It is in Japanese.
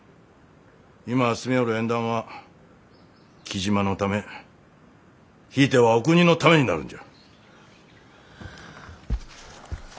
今進みょおる縁談は雉真のためひいてはお国のためになるんじゃ。